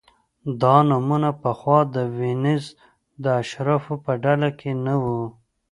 دا نومونه پخوا د وینز د اشرافو په ډله کې نه وو